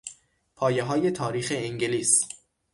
پایههای تاریخ انگلیس